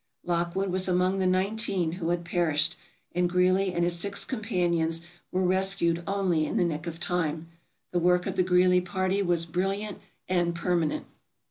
Lockwood was among the nineteen who had perished, and Greely and his six companions were rescued only in the nick of time. The work of the Greely party was brilliant and permanent.